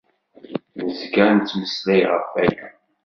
Nezga nettmeslay ɣef waya.